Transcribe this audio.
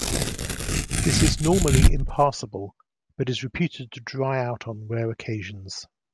This is normally impassable but is reputed to dry out on rare occasions.